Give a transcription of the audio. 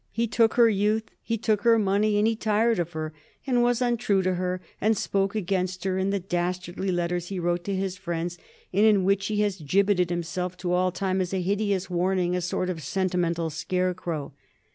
He took her youth, he took her money, and he tired of her, and was untrue to her, and spoke against her in the das tardly letters he wrote to his friends and in which he has gibbeted himself to all time as a hideous warning, a sort of sentimental scarecrow.